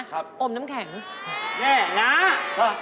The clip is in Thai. อมน้ำแข็งแน่น้า